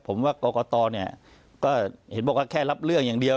ผมว่ากรกตเนี่ยก็เห็นบอกว่าแค่รับเรื่องอย่างเดียว